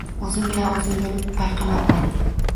Oʻzim bilan oʻzim boʻlib payqamabman.